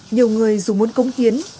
nhiều người dù muốn cống hiến